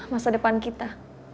masa depan kita